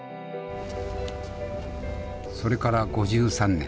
それから５３年。